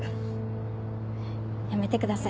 やめてください。